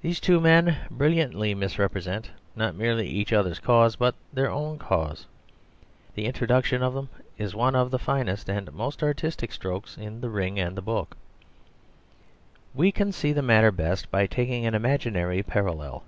These two men brilliantly misrepresent, not merely each other's cause, but their own cause. The introduction of them is one of the finest and most artistic strokes in The Ring and the Book. We can see the matter best by taking an imaginary parallel.